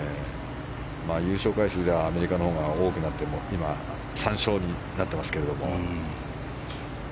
優勝回数ではアメリカのほうが多くなって今、３勝になってますけれども。